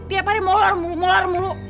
tiap hari mular mulu